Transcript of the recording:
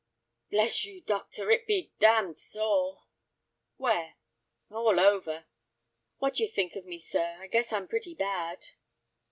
"Bless you, doctor, it be damned sore!" "Where?" "All over. What d'you think of me, sir? I guess I'm pretty bad."